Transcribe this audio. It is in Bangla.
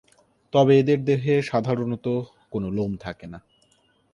তবে এদের দেহে সাধারণতঃ কোনো লোম থাকেনা।